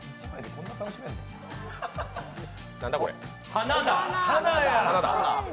花だ。